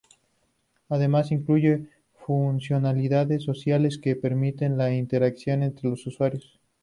Además, incluye funcionalidades sociales que permiten la interacción entre los usuarios.